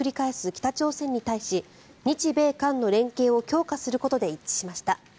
北朝鮮に対し日米韓の連携を強化することで一致しました。